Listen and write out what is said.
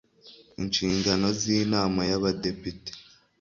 inshingano zinama yaba depite